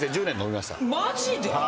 マジで？